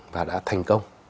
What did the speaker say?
và đã thành công